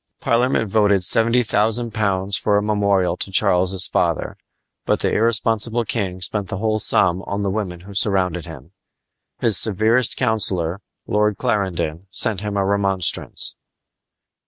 Parliament voted seventy thousand pounds for a memorial to Charles's father, but the irresponsible king spent the whole sum on the women who surrounded him. His severest counselor, Lord Clarendon, sent him a remonstrance.